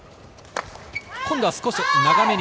今度は少し長めに。